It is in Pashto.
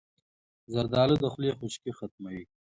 زردالو د خولې خشکي ختموي.